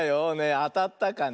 あたったかな？